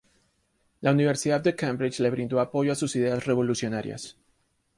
La Universidad de Cambridge le brindó apoyo en sus ideas revolucionarias.